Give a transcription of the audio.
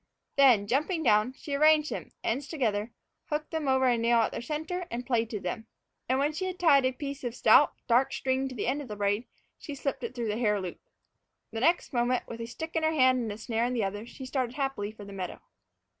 Then, jumping down, she arranged them, ends together, hooked them over a nail at their center, and plaited them. And when she had tied a piece of stout, dark string to the end of the braid, she slipped it through the hair loop. The next moment, with a stick in one hand and the snare in the other, she started happily for the meadow.